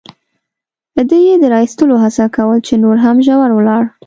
ده یې د را اېستلو هڅه کول، چې نور هم ژور ولاړ.